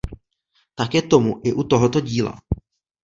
Tak je tomu i u tohoto díla.